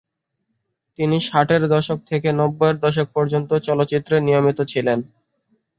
তিনি ষাটের দশক থেকে নব্বইয়ের দশক পর্যন্ত চলচ্চিত্রে নিয়মিত ছিলেন।